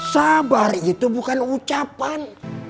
sabar itu bukan ucapan